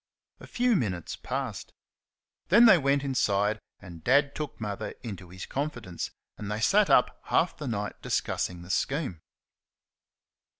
A few minutes passed. Then they went inside, and Dad took Mother into his confidence, and they sat up half the night discussing the scheme.